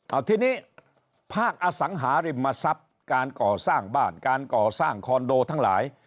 เอาทีนี้ภาคอสังหาริมทรัพย์การก่อสร้างบ้านการก่อสร้างคอนโดทั้งหลาย